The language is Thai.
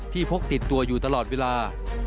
พกติดตัวอยู่ตลอดเวลา